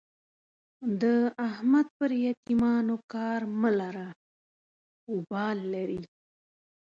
د احمد پر يتيمانو کار مه لره؛ اوبال لري.